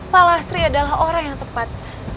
pak lastri adalah orang yang tepat